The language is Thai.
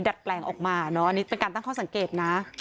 แปลงออกมาเนอะอันนี้เป็นการตั้งข้อสังเกตนะ